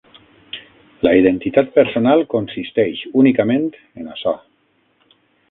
La identitat personal consisteix únicament en açò.